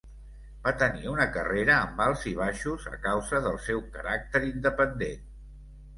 Va tenir una carrera amb alts i baixos a causa del seu caràcter independent.